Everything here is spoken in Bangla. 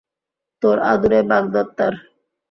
তোর আদুরে বাগদত্তার!